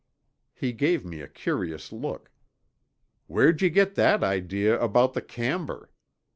He gave me a curious look, "Where'd you get that idea about the camber?"